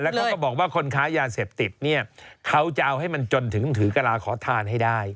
แล้วเขาก็บอกว่าคนค้ายาเสพติดเขาจะเอาให้มันจนถึงถือการาคอท่านให้ได้